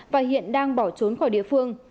và hiện đang bỏ trốn khỏi địa phương